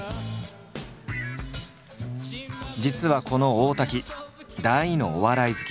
実はこの大滝大のお笑い好き。